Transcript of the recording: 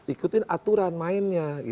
ikutin aturan mainnya